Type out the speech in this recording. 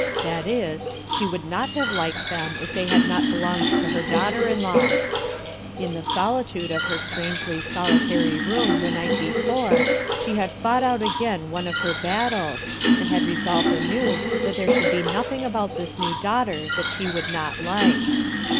That is, she would not have liked them if they had not belonged to her daughter in law. In the solitude of her strangely solitary room, the night before, she had fought out again one of her battles, and had resolved anew that "SENTIMENTAL" PEOPLE 127 there should he nothing about this new daughter that she would not like.